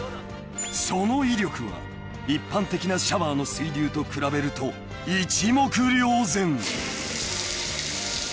［その威力は一般的なシャワーの水流と比べると一目瞭然！］